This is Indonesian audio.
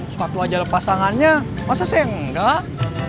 sepatu aja pasangannya masa saya nggak